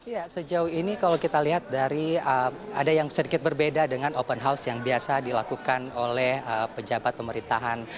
ya sejauh ini kalau kita lihat dari ada yang sedikit berbeda dengan open house yang biasa dilakukan oleh pejabat pemerintahan